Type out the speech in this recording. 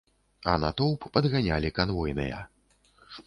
А натоўп падганялі канвойныя.